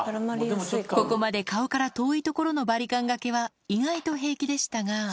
ここまで顔から遠い所のバリカンがけは意外と平気でしたが。